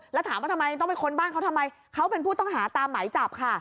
แล้วถามว่าทำไมต้องไปค้นบ้านเขาทำไมเขาเป็นผู้ต้องหาตามหมายจับค่ะ